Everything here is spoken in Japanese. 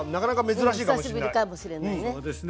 久しぶりかもしれないね。